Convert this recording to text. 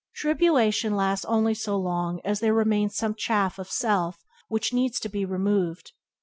Tribulation lasts only so long as there remains some chaff of self which needs to be removed.